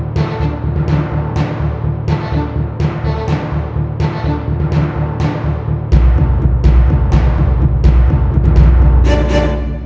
ได้